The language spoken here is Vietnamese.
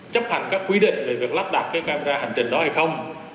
chấp hành các quy định về việc lắp đặt camera hành trình đó hay không